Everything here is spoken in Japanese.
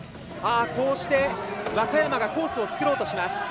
こうして若山がコースを作ろうとします。